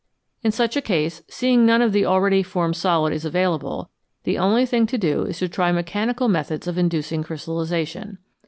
In such a case, seeing none of the already formed solid is available, the only thing to do is to try mechanical methods of inducing crystallisation.